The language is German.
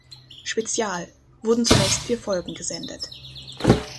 Spezial" wurden zunächst vier Folgen gesendet.